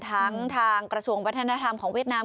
ทางกระทรวงวัฒนธรรมของเวียดนาม